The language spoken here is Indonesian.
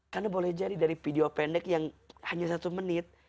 karena boleh jadi dari video pendek yang hanya satu menit